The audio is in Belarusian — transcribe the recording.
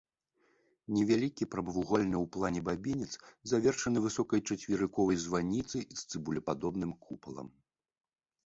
Невялікі прамавугольны ў плане бабінец завершаны высокай чацверыковай званіцай з цыбулепадобным купалам.